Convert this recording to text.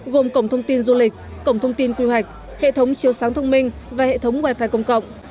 gồm cổng thông tin du lịch cổng thông tin quy hoạch hệ thống chiều sáng thông minh và hệ thống wi fi công cộng